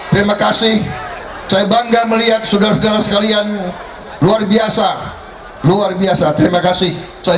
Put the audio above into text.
terima kasih saya bangga melihat saudara saudara sekalian luar biasa luar biasa terima kasih saya